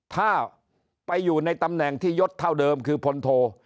ถ้าไปอยู่ในตำแหน่งที่ยดเท่าเดิมคือพลโท